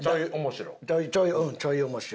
ちょい面白？